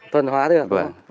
tuần hóa được